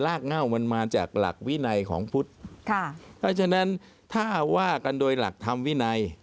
เง่ามันมาจากหลักวินัยของพุทธค่ะเพราะฉะนั้นถ้าว่ากันโดยหลักธรรมวินัย